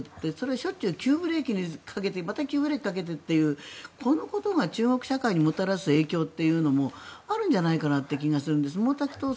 しょっちゅう急ブレーキをかけてまた急ブレーキかけてというこのことが中国社会にもたらす影響もあるんじゃないかなって気がするんです。